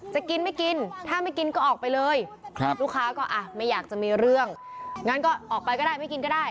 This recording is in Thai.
จะกินไม่กินถ้าไม่กินก็ออกไปเลยลูกค้าก็อ่ะไม่อยากจะมีเรื่องงั้นก็ออกไปก็ได้ไม่กินก็ได้